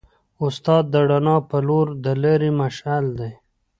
استاد د رڼا په لور د لارې مشعل دی.